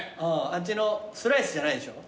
あっちのスライスじゃないでしょ。